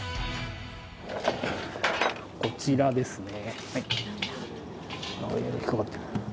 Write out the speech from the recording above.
こちらですね。